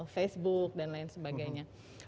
facebook dan lain sebagainya